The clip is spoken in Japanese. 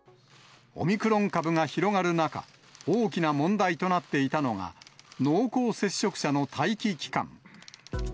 オミクロン株が広がる中、大きな問題となっていたのが、濃厚接触者の待期期間。